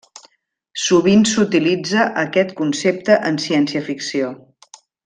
Sovint s'utilitza aquest concepte en ciència-ficció.